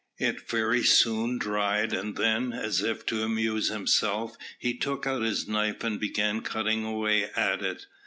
It very soon dried, and then, as if to amuse himself, he took out his knife and began cutting away at it.